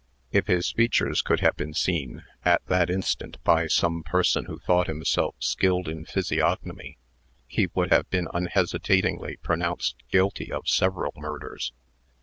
If his features could have been seen, at that instant, by some person who thought himself skilled in physiognomy, he would have been unhesitatingly pronounced guilty of several murders.